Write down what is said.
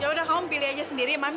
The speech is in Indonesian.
ya udah kamu pilih aja sendiri man